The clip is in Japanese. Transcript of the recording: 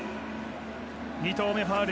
２投目、ファウル。